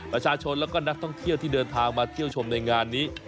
ประชาชนแล้วก็นักท่องเที่ยวที่เดินทางมาเที่ยวชมในงานนี้